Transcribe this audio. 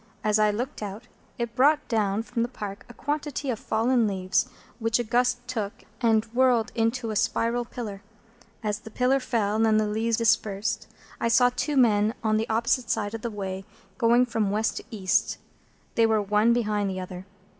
As I looked out, it brought down from the Park a quantity of fallen leaves, which a gust took, and whirled into a spiral pillar. As the pillar fell and the leaves dispersed, I saw two men on the opposite side of the way, going from West to East. They were one behind the other.